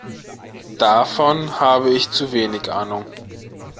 Davon habe ich zu wenig Ahnung.